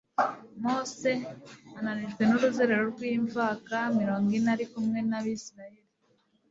Mose, ananijwe n'uruzerero rw'imvaka mirongo ine ari kumwe n'Abisirayeli,